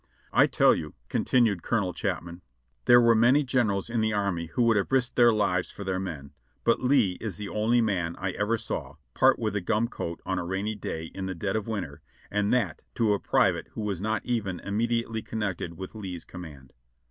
I tell you," continued Colonel Chap man, "there were many generals in the army who would have risked their lives for their men, but Lee is the only man I ever saw part with a gum coat on a rainy day in the dead of winter, and that to a private who was not even immediately connected with Lee's command."